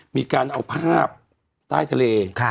มีการเอาภาพใต้ทะเล